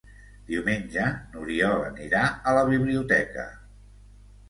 Diumenge n'Oriol anirà a la biblioteca.